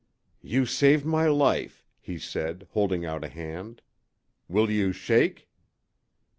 "You saved my life," he said, holding out a hand. "Will you shake?"